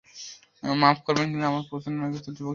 মাফ করবেন, কিন্তু আমরা পৌঁছানোর আগেই তো যুবকটি মারা গিয়েছিল।